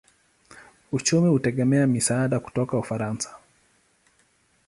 Uchumi hutegemea misaada kutoka Ufaransa.